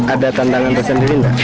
ada tantangan bersendiri enggak